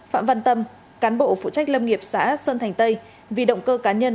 phạm văn tâm cán bộ phụ trách lâm nghiệp xã sơn thành tây vì động cơ cá nhân